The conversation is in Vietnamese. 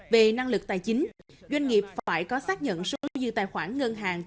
về năng lực tài chính doanh nghiệp phải có xác nhận số dư tài khoản ngân hàng